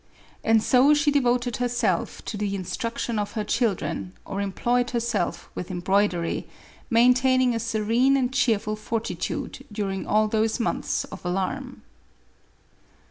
And so she de voted herself to the instruction of her children, or em ployed herself with embroidery, maintaining a serene and cheerful fortitude daring all those months of alarm.